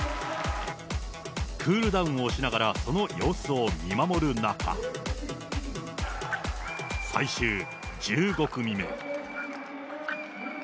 クールダウンをしながら、その様子を見守る中、最終１５組目。